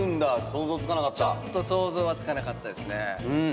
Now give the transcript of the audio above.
ちょっと想像はつかなかったですね。